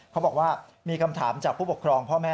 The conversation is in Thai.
เขาบอกว่ามีคำถามจากผู้ปกครองพ่อแม่